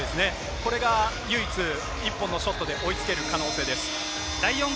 これが唯一、１本のショットで追いつける可能性です。